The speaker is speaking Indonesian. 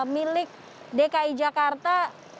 milik dki jakarta